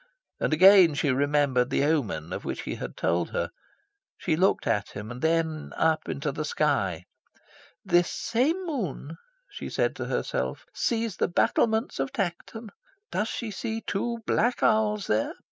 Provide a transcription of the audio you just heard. And again she remembered the omen of which he had told her. She looked at him, and then up into the sky. "This same moon," she said to herself, "sees the battlements of Tankerton. Does she see two black owls there?